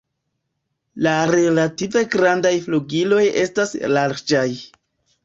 La relative grandaj flugiloj estas larĝaj.